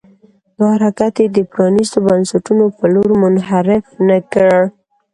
دا حرکت یې د پرانيستو بنسټونو په لور منحرف نه کړ.